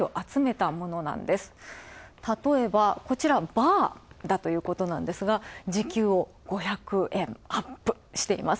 たとえば、こちらバーだということですが時給を５００円、アップしています。